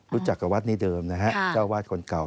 รู้จักกับวัดนี้เดิมนะฮะเจ้าวาดคนเก่า